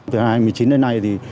từ hai nghìn một mươi chín đến nay thì